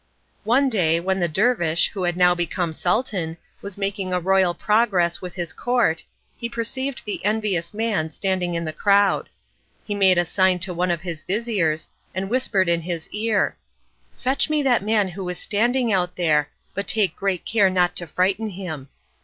One day, when the dervish, who had now become Sultan, was making a royal progress with his court, he perceived the envious man standing in the crowd. He made a sign to one of his vizirs, and whispered in his ear, "Fetch me that man who is standing out there, but take great care not to frighten him."